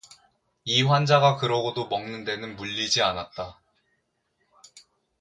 이 환자가 그러고도 먹는 데는 물리지 않았다.